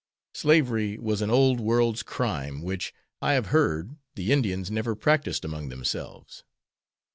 Slavery was an old world's crime which, I have heard, the Indians never practiced among themselves.